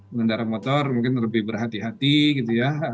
pengendara motor mungkin lebih berhati hati gitu ya